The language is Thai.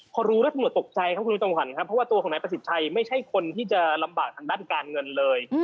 พอรู้แล้วตกใจครับคุณผู้ต้องหาว่าตัวของนายประสิทธิชัยไม่ใช่คนที่จะลำบากทางด้านการเงินเลย